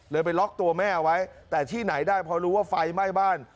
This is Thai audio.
ไปล็อกตัวแม่เอาไว้แต่ที่ไหนได้พอรู้ว่าไฟไหม้บ้าน